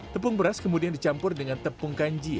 tepung beras kemudian dicampur dengan tepung kanji